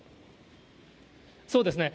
そうですね。